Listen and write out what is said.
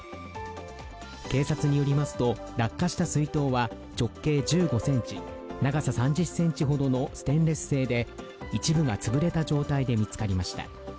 警察によりますと落下した水筒は直径１５ｃｍ長さ３０ｃｍほどのステンレス製で、一部が潰れた状態で見つかりました。